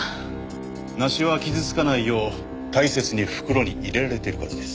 梨は傷つかないよう大切に袋に入れられてるからです。